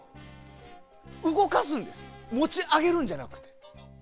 動かすんですよ持ち上げるんじゃなくて。